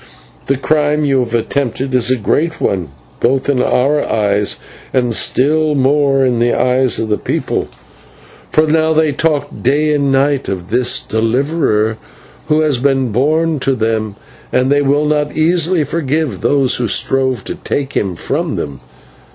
The crime you have attempted is a great one, both in our eyes and still more in the eyes of the people, for now they talk day and night of this Deliverer who has been born to them, and they will not easily forgive those who strove to take him from them.